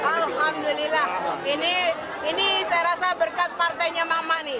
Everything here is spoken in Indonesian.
alhamdulillah ini saya rasa berkat partainya mama nih